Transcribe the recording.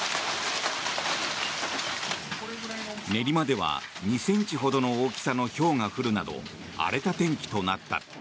練馬では２ｃｍほどの大きさのひょうが降るなど荒れた天気となった。